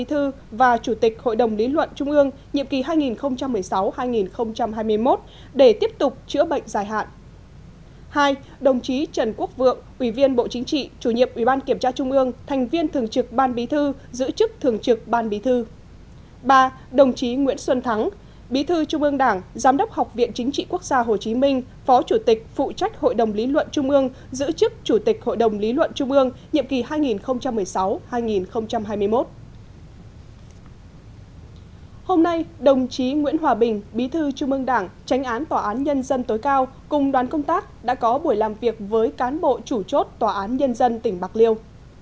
hôm nay đồng chí nguyễn hòa bình bí thư chung mương đảng tránh án tòa án nhân dân tối cao cùng đoàn công tác đã có buổi làm việc với cán bộ chủ chốt tòa án nhân dân tỉnh bạc liêu